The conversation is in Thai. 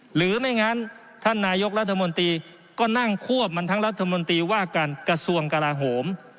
หรือไม่งั้นท่านนายกรัฐมนตรีก็นั่งควบมันทั้งรัฐมนตรีว่าการกระทรวงกลาโหม